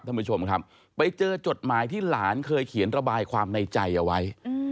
ท่านผู้ชมครับไปเจอจดหมายที่หลานเคยเขียนระบายความในใจเอาไว้